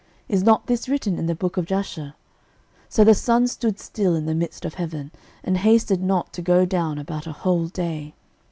Is not this written in the book of Jasher? So the sun stood still in the midst of heaven, and hasted not to go down about a whole day.